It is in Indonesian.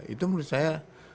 itu menurut saya